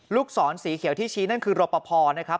ลูกศรสีเขียวที่ชี้นั่นคือรปภนะครับ